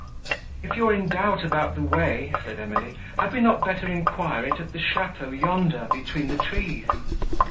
"If you are in doubt about the way," said Emily, "had we not better enquire it at the château yonder, between the trees?"